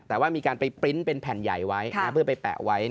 แต่ว่ามีการไปปริ้นต์เป็นแผ่นใหญ่ไว้เพื่อไปแปะไว้